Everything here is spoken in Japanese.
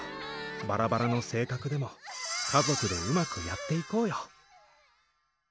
バラバラの性格でも家族でうまくやっていこうよ。